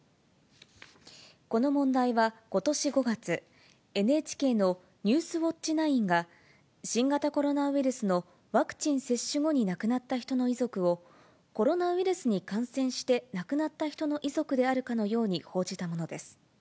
この問題はことし５月、ＮＨＫのニュースウオッチ９が、新型コロナウイルスのワクチン接種後に亡くなった人の遺族を、コロナウイルスに感染して亡くなった人の遺族であるかのように報じたものです。